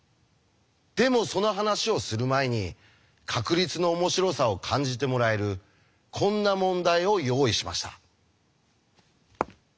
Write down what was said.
でもその話をする前に確率の面白さを感じてもらえるこんな問題を用意しました。